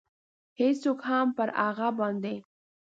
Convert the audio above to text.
هېڅوک هم پر هغه باندې.